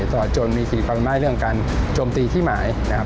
ตลอดจนมีขี่ความได้เรื่องการโจมตีที่หมายนะครับ